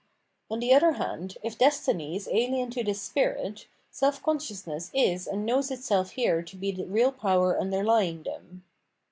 On the other hand, if destiny is ahen to this spirit, seH consciousness is and knows itself here to be the real power underlying them.